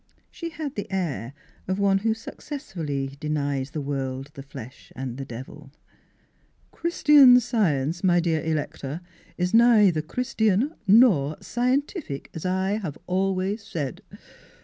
She had the air of one who successfully denies the world, the flesh and the devil. Miss Philura^s Wedding Gown " Christian Science, my dear Electa, is , neither Christian nor Scientific, as I have always said.